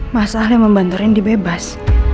masalah yang membantu rendy bebas